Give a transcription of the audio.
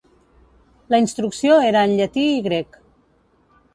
La instrucció era en llatí i grec.